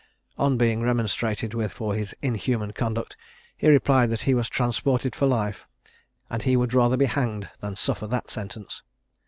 On being remonstrated with for his inhuman conduct, he replied that he was transported for life, and he would rather be hanged than suffer that sentence.